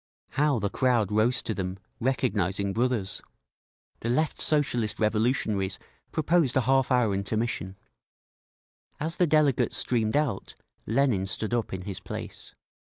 How the crowd rose to them, recognising brothers! The Left Socialist Revolutionaries proposed a half hour intermission. As the delegates streamed out, Lenin stood up in his place.